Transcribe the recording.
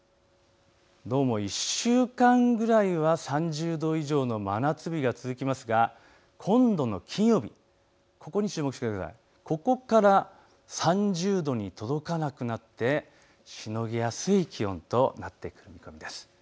１週間ぐらいは３０度以上の真夏日が続きますが今度の金曜日、ここから３０度に届かなくなってしのぎやすい気温となってくるんです。